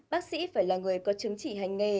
bác sĩ phải là người có chứng chỉ hành nghề